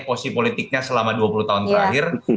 posisi politiknya selama dua puluh tahun terakhir